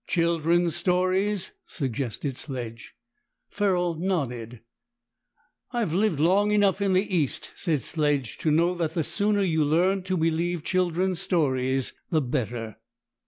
"Children's stories?" suggested Sledge. Ferrol nodded. "I have lived long enough in the East," said Sledge, "to know that the sooner you learn to believe children's stories the better."